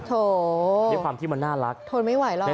โถด้วยความที่มันน่ารักทนไม่ไหวหรอก